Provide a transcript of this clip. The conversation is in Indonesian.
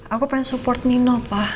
aku pengen support nino pak